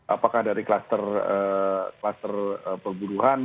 apakah dari klaster ee klaster perburuhan